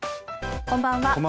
こんばんは。